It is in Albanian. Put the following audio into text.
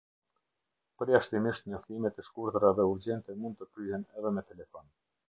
Përjashtimisht njoftimet e shkurtra dhe urgjente mund të kryhen edhe me telefon.